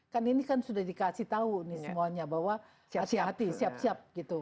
kan ini kan sudah dikasih tahu nih semuanya bahwa hati hati siap siap gitu